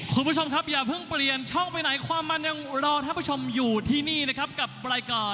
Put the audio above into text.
คุณผู้ชมครับอย่าเพิ่งเปลี่ยนช่องไปไหนความมันยังรอท่านผู้ชมอยู่ที่นี่นะครับกับรายการ